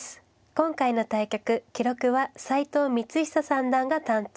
今回の対局記録は齋藤光寿三段が担当。